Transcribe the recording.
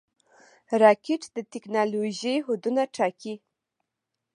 راکټ د ټېکنالوژۍ حدونه ټاکي